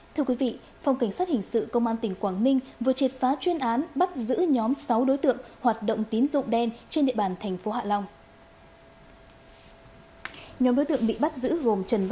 thưa quý vị phòng cảnh sát hình sự công an tỉnh quảng ninh vừa triệt phá chuyên án bắt giữ nhóm sáu đối tượng hoạt động tín dụng đen trên địa bàn thành phố hạ long